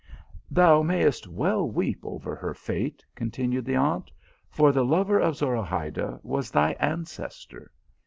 Thou mayst well weep over her fate/ continued the aunt, " for the lover of Zorahayda was thy an cestor.